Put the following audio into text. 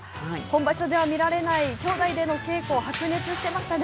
場所では見られない兄弟での稽古、白熱してましたね。